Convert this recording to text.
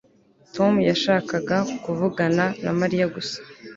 Tom yashakaga kuvugana na Mariya gusa